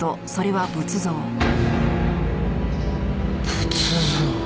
仏像。